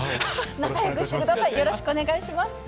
仲よくしてください、よろしくお願いします。